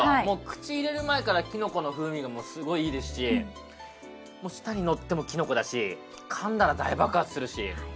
もう口入れる前からきのこの風味がすごいいいですし舌にのってもきのこだしかんだら大爆発するし。